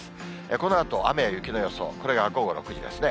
このあと雨や雪の予想、これが午後６時ですね。